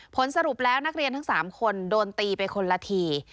ผลสรุปแล้วนักเรียนทั้ง๓คนโดนตีไปคนละที